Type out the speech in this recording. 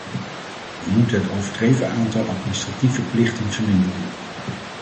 We moeten het overdreven aantal administratieve plichten verminderen.